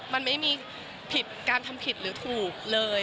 มันไม่มีผิดการทำผิดหรือถูกเลย